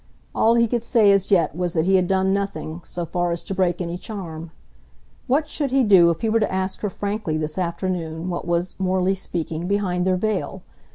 All he could say as yet was that he had done nothing, so far as to break any charm. What should he do if he were to ask her frankly this afternoon what was, morally speaking, behind their veil.